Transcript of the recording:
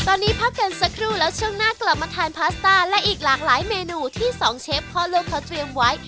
ตอนนี้พักกันสักครู่แล้วช่วงหน้ากลับมาทานพาสต้าและอีกหลากหลายเมนูที่สองเชฟพ่อลูกเขาเตรียมไว้